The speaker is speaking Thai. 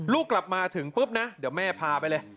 ลูกกลับมาถึงปุ๊บนะเดี๋ยวแม่พาไปเลย